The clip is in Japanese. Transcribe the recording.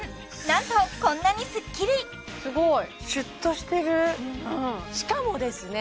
なんとこんなにスッキリすごいシュッとしてるしかもですね